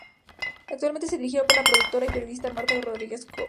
Actualmente es dirigido por la productora y periodista Marta Rodríguez Koch.